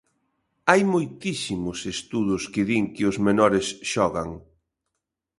Hai moitísimos estudos que din que os menores xogan.